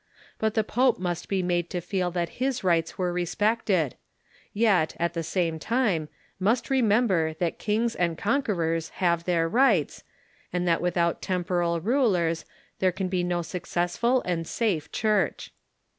But the pope must be made to feel that his rights were respected ; yet, at the same time, must remem ber that kings and conquerors have their rights, and that with out temporal rulers there can be no successful and safe Church.